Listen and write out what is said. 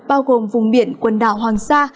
bao gồm vùng biển quần đảo hoàng sa